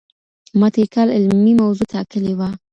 ما تېر کال علمي موضوع ټاکلې وه.